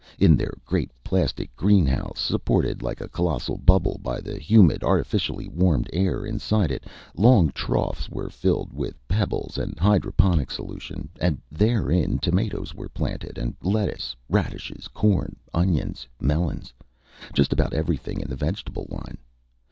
In their great plastic greenhouse, supported like a colossal bubble by the humid, artificially warmed air inside it, long troughs were filled with pebbles and hydroponic solution. And therein tomatoes were planted, and lettuce, radishes, corn, onions, melons just about everything in the vegetable line.